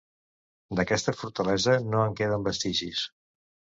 D'aquesta fortalesa no en queden vestigis.